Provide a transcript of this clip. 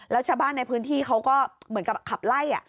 แล้วชาวบ้านในพื้นที่เขาก็เหมือนกับขับไล่